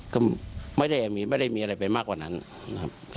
ก็ไม่ได้มีอะไรไปมากกว่านั้นนะครับ